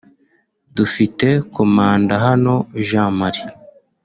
dufite Komanda hano Jean Marie